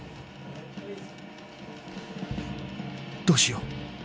どうしよう？